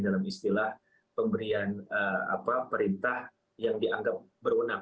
dalam istilah pemberian perintah yang dianggap berwenang